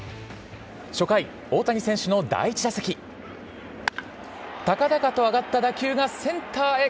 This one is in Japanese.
初回、大谷選手の第１打席高々と上がった打球がセンターへ。